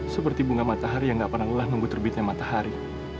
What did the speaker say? seperti bunga matahari yang gak pernah lelah menunggu terbitnya matahari